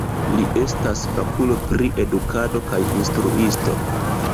Li estas fakulo pri edukado kaj instruisto.